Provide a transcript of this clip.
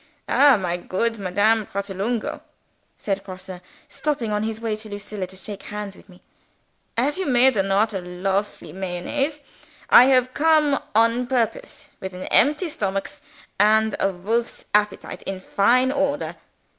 "Ah, my goot Madame Pratolungo!" said Herr Grosse, stopping on his way to Lucilla to shake hands with me. "Have you made anodder lofely Mayonnaise? I have come on purpose with an empty stomachs, and a wolf's appetite in fine order.